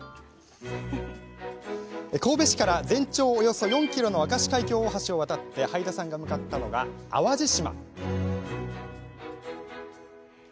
神戸市から全長およそ ４ｋｍ の明石海峡大橋を渡ってはいださんが向かったのは淡路島。